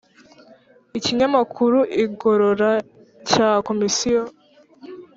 Ikinyamakuru igorora cya Komisiyo